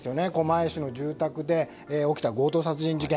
狛江市の住宅で起きた強盗殺人事件。